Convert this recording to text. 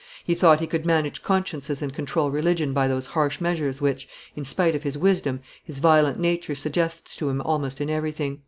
"He thought he could manage consciences and control religion by those harsh measures which, in spite of his wisdom, his violent nature suggests to him almost in everything."